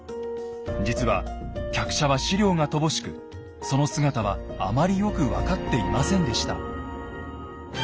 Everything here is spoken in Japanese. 実は客車は史料が乏しくその姿はあまりよく分かっていませんでした。